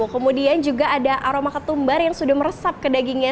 kemudian juga ada aroma ketumbar yang sudah meresap ke dagingnya